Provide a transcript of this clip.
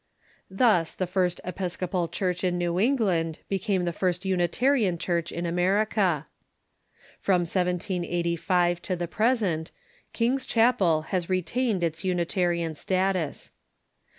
"Thus the first Episcopal Church in New England became the first Unitarian Church in America." From 1785 to the present. King's Chapel has retained its Unitarian status.